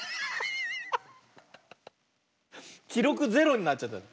きろくゼロになっちゃった。